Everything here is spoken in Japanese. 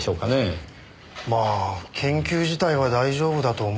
まあ研究自体は大丈夫だと思いますが。